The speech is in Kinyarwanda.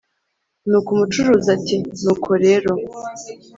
nuko umucuruzi ati”nuko rero